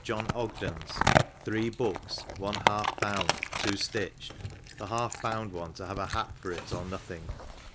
John Ogden's 3 books, one half bound, 2 stitched, the half bound one to have a hat for it or nothing.